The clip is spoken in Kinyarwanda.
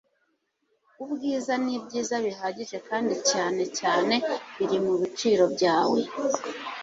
Ubwiza nibyiza bihagije kandi cyane cyane biri mubiciro byawe.